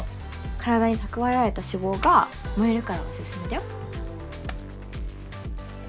体に蓄えられた脂肪が燃えるからオススメだよ